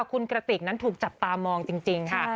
คุณกระติกนั้นถูกจับตามองจริงค่ะ